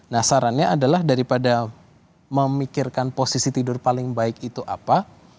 nah sarannya adalah daripada memikirkan posisi tidur paling baik itu apa